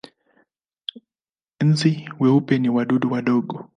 Nzi weupe ni wadudu wadogo.